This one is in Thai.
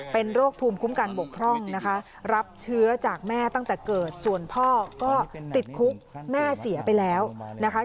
เป็นโรคภูมิคุ้มกันบกพร่องนะคะรับเชื้อจากแม่ตั้งแต่เกิดส่วนพ่อก็ติดคุกแม่เสียไปแล้วนะคะ